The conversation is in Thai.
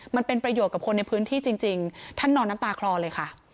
มันเป็นประโยชน์กับคนในพื้นที่จริงท่านนอนน้ำตาคลอเลยค่ะ